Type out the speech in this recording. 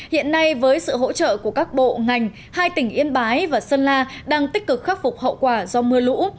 hiện nay với sự hỗ trợ của các bộ ngành hai tỉnh yên bái và sơn la đang tích cực khắc phục hậu quả do mưa lũ